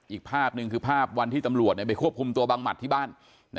อีกภาพหนึ่งคือภาพวันที่ตำรวจไปควบคุมตัวบังหมัดที่บ้าน